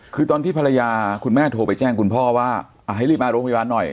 คือตอนที่ภรรยาคุณแม่โทรไปแจ้งคุณพ่อว่าให้รีบมาโรงพยาบาลหน่อย